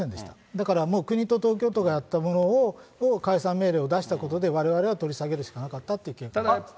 だから、もう国と東京都がやったものを、解散命令を出したことで、われわれは取り下げるしかなかったという経緯があります。